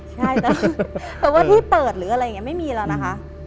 ใช่แต่ว่าที่เปิดหรืออะไรอย่างนี้ไม่มีแล้วนะคะ